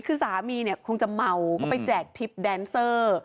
คือสามีเนี่ยคงจะเมาก็ไปแจกทิพย์แดนเซอร์